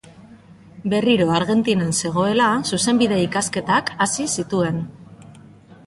Berriro Argentinan zegoela, zuzenbide ikasketak hasi zituen.